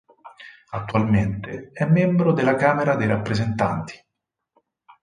Attualmente è membro della Camera dei rappresentanti.